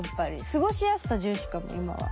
過ごしやすさ重視かも今は。